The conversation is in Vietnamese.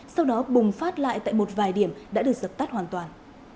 sau đó bùng phát lại tại một vài điểm đã được dập tắt hoàn toàn